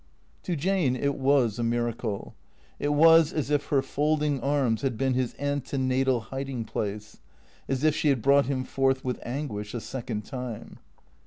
To Jane it ivas a miracle. It was as if her folding arms had been his antenatal hiding place; as if she had brought him forth with anguish a second time.